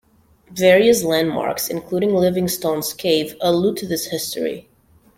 Various landmarks, including Livingstone's Cave, allude to this history.